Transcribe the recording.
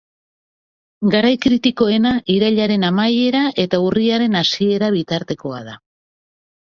Garai kritikoena irailaren amaiera eta urriaren hasiera bitartekoa da.